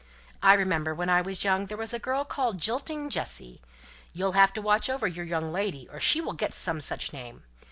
I remember when I was young there was a girl called Jilting Jessy. You'll have to watch over your young lady, or she will get some such name.